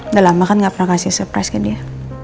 udah lama kan enggak pernah kasih surprise ke dia